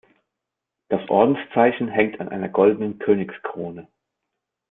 Das Ordenszeichen hängt an einer goldenen Königskrone.